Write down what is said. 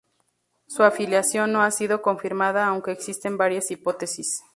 Su filiación no ha sido confirmada aunque existen varias hipótesis.